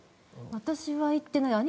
私は行ってない。